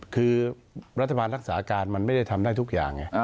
คือรัฐบาลรักษาการมันไม่ได้ทำได้ทุกอย่างไง